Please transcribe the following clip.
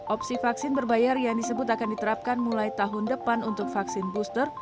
opsi vaksin berbayar yang disebut akan diterapkan mulai tahun depan untuk vaksin booster